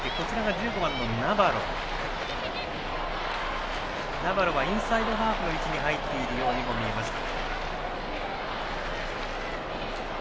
１５番のナバロはインサイドハーフの位置に入っているようにも見えました。